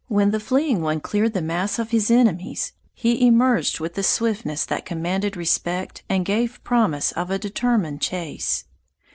When the fleeing one cleared the mass of his enemies, he emerged with a swiftness that commanded respect and gave promise of a determined chase.